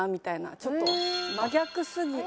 ちょっと真逆すぎて。